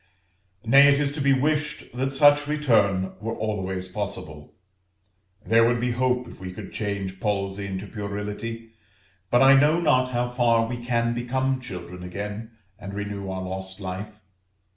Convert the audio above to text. Nay, it is to be wished that such return were always possible. There would be hope if we could change palsy into puerility; but I know not how far we can become children again, and renew our lost life.